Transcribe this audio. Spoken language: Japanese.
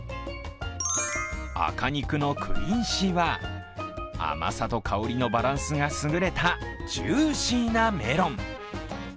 赤肉のクインシーは甘さと香りのバランスが優れたジューシーなメロン。